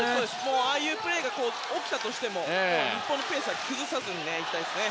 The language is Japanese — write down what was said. ああいうプレーが起きたとしても日本のペースは崩さずにいきたいですね。